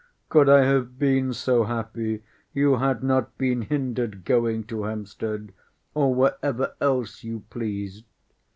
Could I have been so happy, you had not been hindered going to Hampstead, or wherever else you pleased.